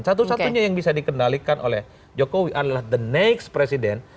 satu satunya yang bisa dikendalikan oleh jokowi adalah the next presiden